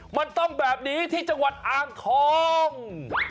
มันต้องแบบนี้ที่จังหวัดอ่างทอง